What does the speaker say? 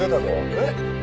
えっ？